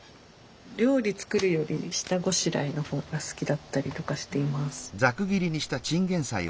料理作るより下ごしらえの方が好きだったりとかしています。